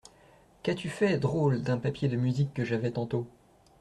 Qu’as-tu fait, drôle, d’un papier de musique que j’avais tantôt ?